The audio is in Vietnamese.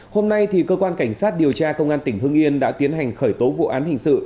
hôm nay cơ quan cảnh sát điều tra công an tỉnh hưng yên đã tiến hành khởi tố vụ án hình sự